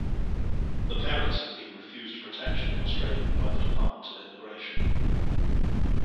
The parents had been refused protection in Australia by the Department of Immigration.